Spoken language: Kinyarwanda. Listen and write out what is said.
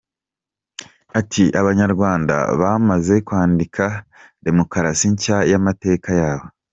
Ati “Abanyarwanda bamaze kwandika demokarasi nshya y’amateka yabo.